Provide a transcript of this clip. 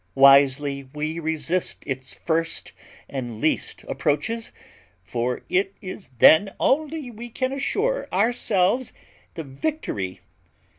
Wisely we resist its first and least approaches; for it is then only we can assure ourselves the victory.